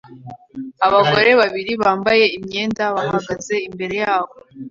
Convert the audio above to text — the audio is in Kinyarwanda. Abagore babiri bambaye imyenda bahagaze imbere yabo